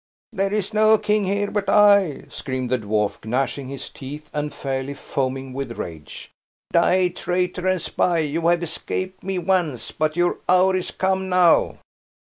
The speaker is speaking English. "There is no king here but I!" screamed the dwarf, gnashing his teeth, and fairly foaming with rage. "Die; traitor and spy! You have escaped me once, but your hour is come now."